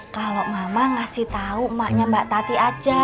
kalau mama ngasih tahu emaknya mbak tati aja